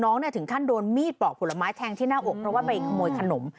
ถึงขั้นโดนมีดปอกผลไม้แทงที่หน้าอกเพราะว่าไปขโมยขนม